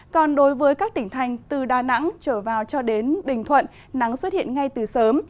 còn đối với các tỉnh thành từ đà nẵng trở vào cho đến bình thuận nắng xuất hiện ngay từ sớm